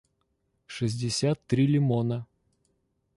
шестьдесят три лимона